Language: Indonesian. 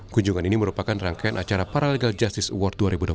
kunjungan ini merupakan rangkaian acara paralegal justice award dua ribu dua puluh